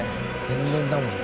天然だもん。